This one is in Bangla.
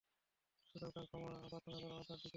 সুতরাং তাঁর ক্ষমা প্রার্থনা কর ও তার দিকেই প্রত্যাবর্তন কর।